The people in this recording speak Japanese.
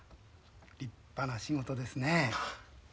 立派な仕事ですね。